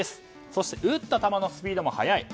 そして打った球のスピードも速い。